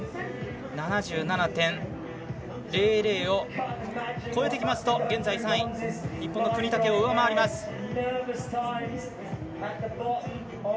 ７７．００を超えてきますと現在３位、日本の國武を上回ります。